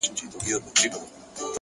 چا ویل چي خدای د انسانانو په رکم نه دی _